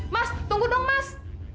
mas tunggu dong mas